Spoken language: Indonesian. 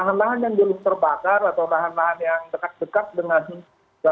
lahan lahan yang dulu terbakar